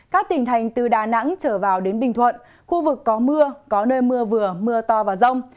các tỉnh thành từ đà nẵng trở vào đến bình thuận khu vực có mưa có nơi mưa vừa mưa to và rông